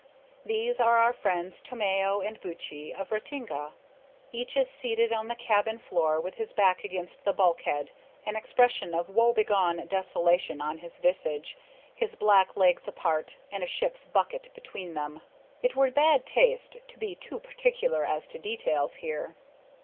These are our friends Tomeo and Buttchee of Ratinga. Each is seated on the cabin floor with his back against the bulkhead, an expression of woe begone desolation on his visage, his black legs apart, and a ship's bucket between them. It were bad taste to be too particular as to details here!